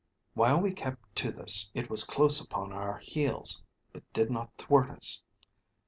While we kept to this, it was close upon our heels, but did not thwart us.